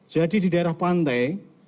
jadi di daerah pantai